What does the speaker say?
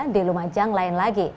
di lumajang lain lagi